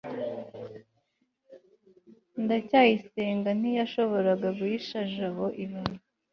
ndacyayisenga ntiyashoboraga guhisha jabo ibanga